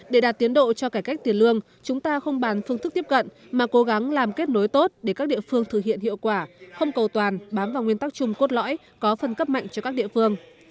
để đạt tiến độ cho cải cách tiền lương chúng ta không bàn phương thức tiếp cận mà cố gắng làm kết nối tốt để các địa phương thực hiện hiệu quả không cầu toàn bám vào nguyên tắc chung cốt lõi có phân cấp mạnh cho các địa phương